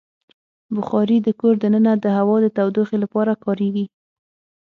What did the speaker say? بخاري د کور دننه د هوا د تودوخې لپاره کارېږي.